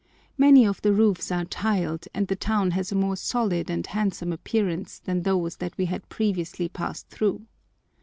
Many of the roofs are tiled, and the town has a more solid and handsome appearance than those that we had previously passed through.